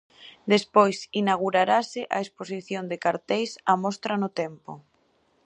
Despois inaugurarase a exposición de carteis "A mostra no tempo".